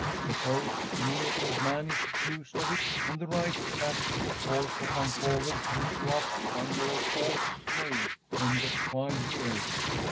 Suppose an innocent man is accused of it and the right chap is forced to come forward and show up UNDER A FALSE NAME and gets five years.